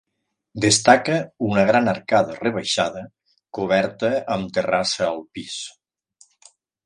Destaca una gran arcada rebaixada, coberta amb terrassa al pis.